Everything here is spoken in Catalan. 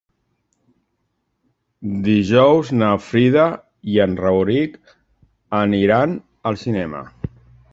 Dijous na Frida i en Rauric aniran al cinema.